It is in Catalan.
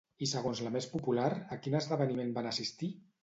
I segons la més popular, a quin esdeveniment van assistir?